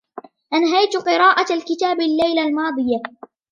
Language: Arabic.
أنهيت قراءة الكتاب الليلة الماضية.